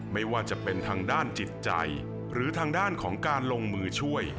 ไม่ว่าจะเป็นทางด้านจิตใจหรือทางด้านของการลงมือช่วย